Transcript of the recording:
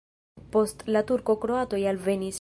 Post la turkoj kroatoj alvenis.